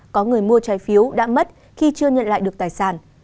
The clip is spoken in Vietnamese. có người mua trái phiếu đã mất khi chưa nhận lại được tài sản